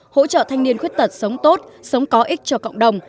hỗ trợ thanh niên khuyết tật sống tốt sống có ích cho cộng đồng